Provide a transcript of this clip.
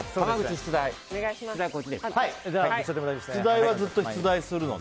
出題はずっと出題するのね。